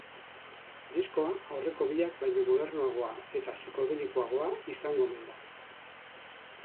Diskoa aurreko biak baino modernoagoa eta psikodelikoagoa izango omen da.